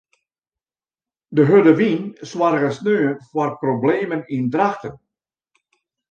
De hurde wyn soarge sneon foar problemen yn Drachten.